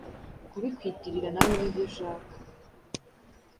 kubikwitirira nawe nibyo ushaka